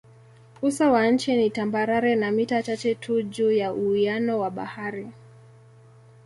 Uso wa nchi ni tambarare na mita chache tu juu ya uwiano wa bahari.